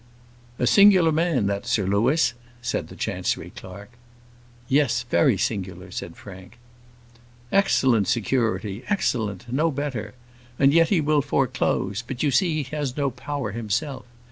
"A singular man that Sir Louis," said the Chancery clerk. "Yes; very singular," said Frank. "Excellent security, excellent; no better; and yet he will foreclose; but you see he has no power himself.